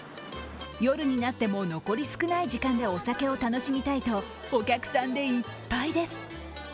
夜になっても残り少ない時間でお酒を楽しみたいとお客さんでいっぱいです。